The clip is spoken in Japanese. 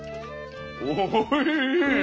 おいしいよ！